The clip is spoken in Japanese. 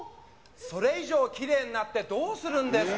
それ以上キレイになってどうするんですか。